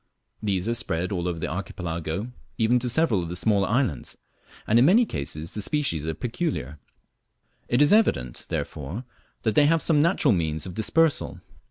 These are spread all over the Archipelago, even to several of the smaller islands, and in many cases the species are peculiar. It is evident, therefore, that they have some natural means of dispersal.